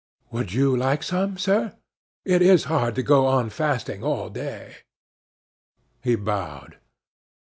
"Would you like some, sir? It is hard to go on fasting all day." He bowed.